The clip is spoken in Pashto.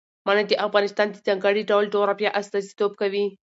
منی د افغانستان د ځانګړي ډول جغرافیه استازیتوب کوي.